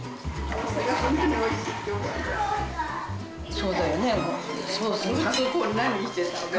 そうだよね。